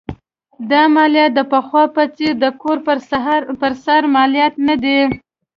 دا مالیات د پخوا په څېر د کور پر سر مالیات نه دي.